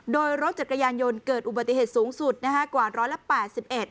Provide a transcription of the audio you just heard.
โดยรถจัดกระยานยนต์เกิดอุบัติเหตุสูงสุดกว่า๑๘๑ครั้ง